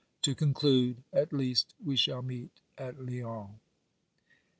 To conclude — at least, we shall meet at Lyons.